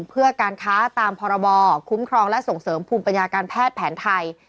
เพื่อการค้าตามพรบคุ้มครองและส่งเสริมภูมิปัญญาการแพทย์แผนไทย